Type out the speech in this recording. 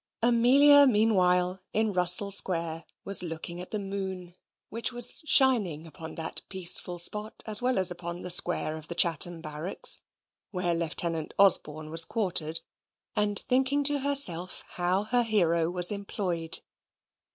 Amelia meanwhile, in Russell Square, was looking at the moon, which was shining upon that peaceful spot, as well as upon the square of the Chatham barracks, where Lieutenant Osborne was quartered, and thinking to herself how her hero was employed.